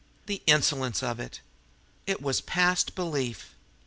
The insolence of it! It was past belief!